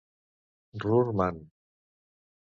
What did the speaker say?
Ruhr Man.